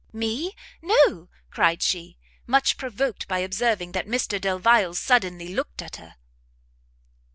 "Me? no!" cried she, much provoked by observing that Mr Delvile suddenly looked at her.